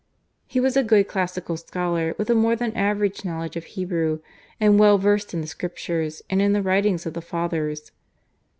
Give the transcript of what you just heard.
He was a good classical scholar with a more than average knowledge of Hebrew, and well versed in the Scriptures and in the writings of the Fathers.